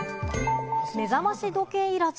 目覚まし時計いらず？